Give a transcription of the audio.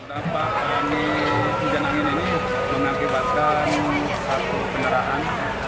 perapakan hujan angin ini mengakibatkan satu penerahan